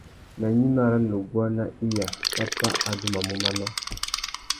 Nà gnïmá râ nuguá nà iya, pápá adumamú manô.